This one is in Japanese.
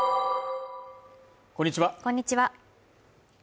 こんにちは